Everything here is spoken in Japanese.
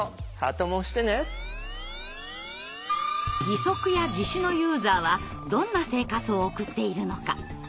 義足や義手のユーザーはどんな生活を送っているのか。